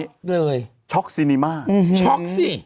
ช็อคเลยช็อคซีนีม่าช็อคสิ